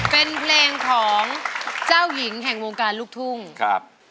เป็นเพลงของเจ้าหญิงแห่งวงการลูกทุ่งครับ